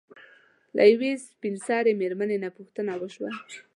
له يوې سپين سري مېرمنې نه پوښتنه وشوه